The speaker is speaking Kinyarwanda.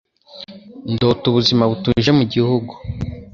Ndota ubuzima butuje mugihugu.